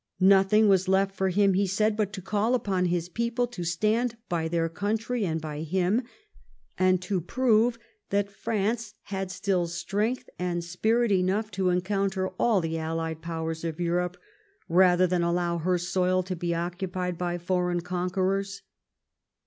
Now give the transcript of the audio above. Noth ing was left for him, he said, but to call upon his people to stand by their country and by him, and to prove that France had still strength and spirit enough to encounter all the allied powers of Europe rather than allow her soil to be occupied by foreign conquerors.